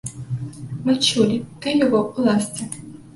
Мы чулі, ты ў яго ў ласцы.